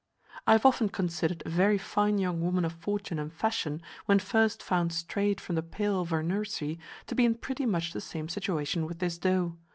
I have often considered a very fine young woman of fortune and fashion, when first found strayed from the pale of her nursery, to be in pretty much the same situation with this doe.